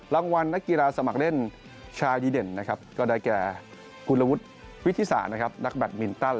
รางวัลนักกีฬาสมัครเล่นชายดีเด่นก็ได้แก่กุลวุฒิวิทธิษศาสตร์นักแบตมินตัล